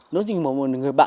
nó giống như một người bạn